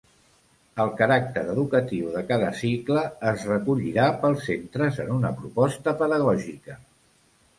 El caràcter educatiu de cada cicle es recollirà pels centres en una proposta pedagògica.